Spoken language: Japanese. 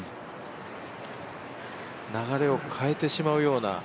流れを変えてしまうような。